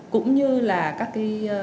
cũng như là các cái